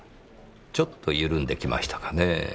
ちょっと緩んできましたかねぇ。